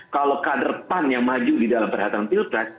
kalau kader pan yang maju di dalam perhelatan pilpres